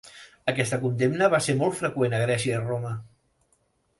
Aquesta condemna va ser molt freqüent a Grècia i Roma.